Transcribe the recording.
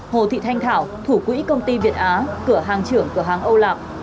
hồ thị thanh thảo thủ quỹ công ty việt á cửa hàng trưởng cửa hàng âu lạc